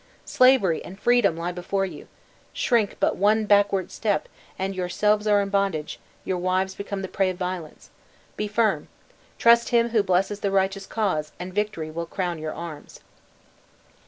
Slavery and freedom lie before you! Shrink but one backward step, and yourselves are in bondage, your wives become the prey of violence. Be firm trust Him who blesses the righteous cause, and victory will crown your arms!"